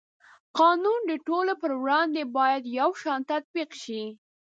قانون د ټولو په وړاندې باید یو شان تطبیق شي.